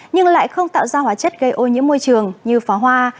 nhưng lại không tạo ra hóa chất gây ô nhiễm môi trường như pháo hoa